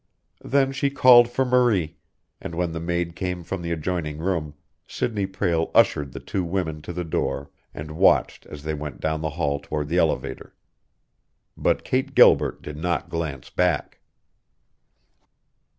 Then she called for Marie, and when the maid came from the adjoining room, Sidney Prale ushered the two women to the door and watched as they went down the hall toward the elevator. But Kate Gilbert did not glance back.